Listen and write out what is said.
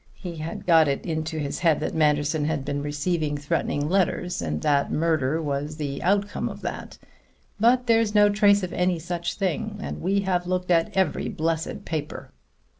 He had got it into his head that Manderson had been receiving threatening letters, and that the murder was the outcome of that. But there's no trace of any such thing; and we looked at every blessed paper.